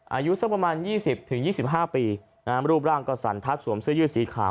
อายุสักประมาณยี่สิบถึงยี่สิบห้าปีอ่ารูปร่างก็สันทัดสวมเสื้อยืดสีขาว